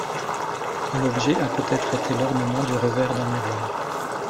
L'objet a peut-être été l'ornement du revers d'un miroir.